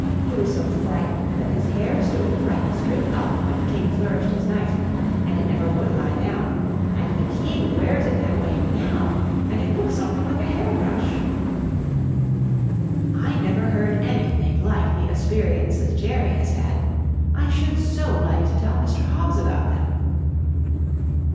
He was so frightened that his hair stood right straight up when the king flourished his knife, and it never would lie down, and the king wears it that way now, and it looks something like a hair brush. I never heard anything like the asperiences Jerry has had! I should so like to tell Mr. Hobbs about them!"